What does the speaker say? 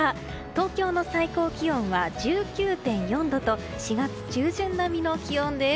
東京の最高気温は１９．４度と４月中旬並みの気温です。